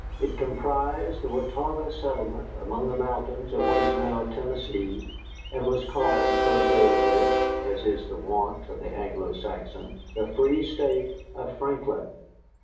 It comprised the Watauga settlement among the mountains of what is now Tennessee, and was called prosaically (as is the wont of the Anglo Saxon) the free State of Franklin.